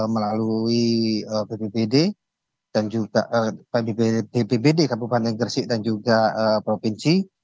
melalui bpbd dan juga bpbd kabupaten gresik dan juga provinsi